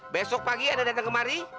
besok pagi anda datang kemari